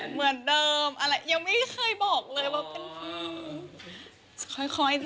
เหมือนเดิมอะไรยังไม่เคยบอกเลยว่าเป็นค่อยดี